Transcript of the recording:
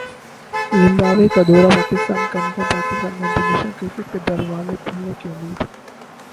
Zimbabwe کا دورہ Pakistan confirm Pakistan میں انٹرنیشنل کرکٹ کے دروازے کھلنے کی امید